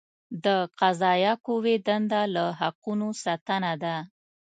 د قضائیه قوې دنده له حقوقو ساتنه ده.